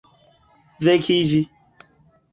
vekiĝi